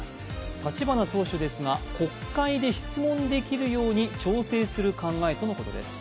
立花党首ですが、国会で質問できるように調整する考えということです。